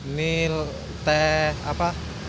ini teh apa